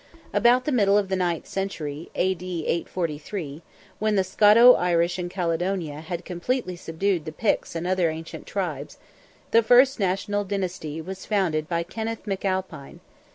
About the middle of the ninth century (A.D. 843), when the Scoto Irish in Caledonia had completely subdued the Picts and other ancient tribes, the first national dynasty was founded by Kenneth McAlpine.